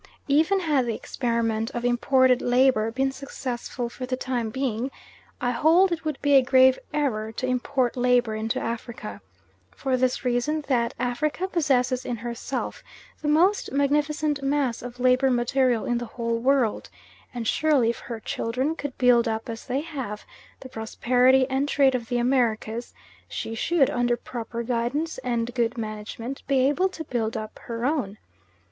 Even had the experiment of imported labour been successful for the time being, I hold it would be a grave error to import labour into Africa. For this reason, that Africa possesses in herself the most magnificent mass of labour material in the whole world, and surely if her children could build up, as they have, the prosperity and trade of the Americas, she should, under proper guidance and good management, be able to build up her own.